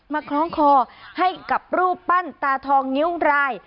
คล้องคอให้กับรูปปั้นตาทองนิ้วราย